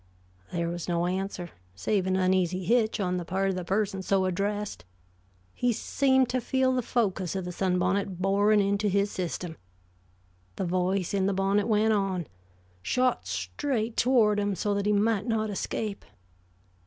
There was no answer, save an uneasy hitch on the part of the person so addressed. He seemed to feel the focus of the sunbonnet boring into his system. The voice in the bonnet went on, shot straight toward him, so that he might not escape.